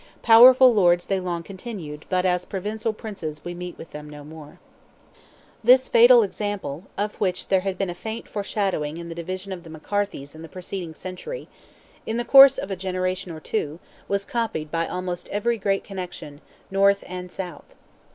Powerful lords they long continued, but as Provincial Princes we meet them no more. This fatal example—of which there had been a faint foreshadowing in the division of the McCarthys in the preceding century—in the course of a generation or two, was copied by almost every great connection, north and south.